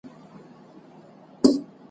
د ماشوم عقل په کاڼو هوښیارانو یم ویشتلی ,